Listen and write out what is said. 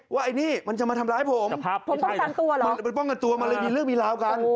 ว่าไอ้นี่มันจะมาทำร้ายผมมันป้องกันตัวมันเลยมีเรื่องมีราวกัน